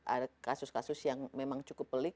ada kasus kasus yang memang cukup pelik